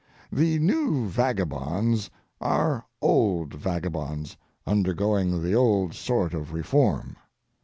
The New Vagabonds are old vagabonds (undergoing the old sort of reform).